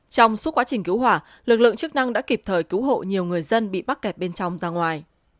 trong suốt quá trình cứu hỏa lực lượng chức năng đã kịp thời cứu hộ nhiều người dân bị bắt kẹt bên trong ra ngoài